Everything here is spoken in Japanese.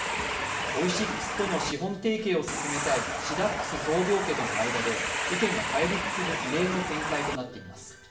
オイシックスとの資本提携を進めたいシダックス創業家との間で意見が対立する異例の展開となっています。